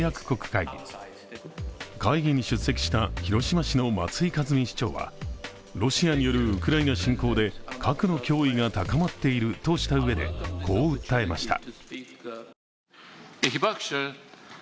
会議に出席した広島市の松井一実市長はロシアによるウクライナ侵攻で核の脅威が高まっているとしたうえでこう訴えました。